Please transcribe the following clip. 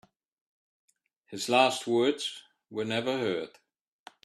His last words were never heard.